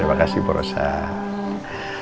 terima kasih borosan